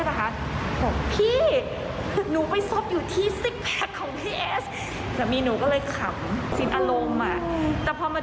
จนบางวันนะใส่ชุดมานะมีคนทำว่าเอ๊ะ